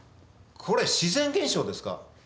これ自然現象ですか？